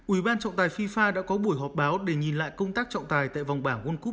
ủy ban trọng tài fifa đã có buổi họp báo để nhìn lại công tác trọng tài tại vòng bảng world cup hai nghìn một mươi tám